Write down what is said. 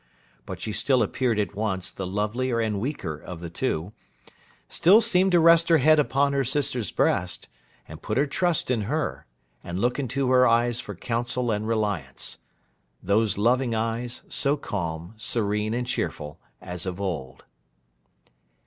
But she still appeared at once the lovelier and weaker of the two; still seemed to rest her head upon her sister's breast, and put her trust in her, and look into her eyes for counsel and reliance. Those loving eyes, so calm, serene, and cheerful, as of old.